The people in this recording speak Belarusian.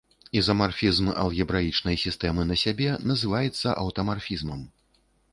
Ізамарфізм алгебраічнай сістэмы на сябе называецца аўтамарфізмам.